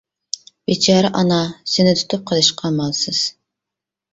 بىچارە ئانا سېنى تۇتۇپ قېلىشقا ئامالسىز.